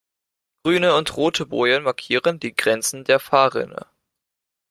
Grüne und rote Bojen markieren die Grenzen der Fahrrinne.